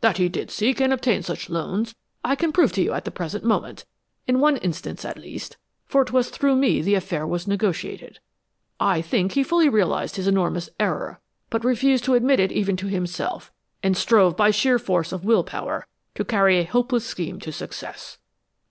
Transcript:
That he did seek and obtain such loans I can prove to you at the present moment, in one instance at least, for it was through me the affair was negotiated. I think he fully realized his enormous error, but refused to admit it even to himself, and strove by sheer force of will power to carry a hopeless scheme to success."